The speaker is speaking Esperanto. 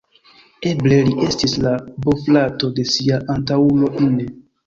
Eble li estis la bofrato de sia antaŭulo Ine.